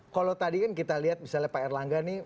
kalau tadi kan kita lihat misalnya pak erlangga nih